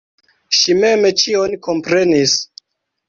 Ŝi mem ĉion komprenis.